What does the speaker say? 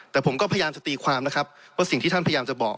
แต่ผมก็พยายามจะตีความนะครับว่าสิ่งที่ท่านพยายามจะบอก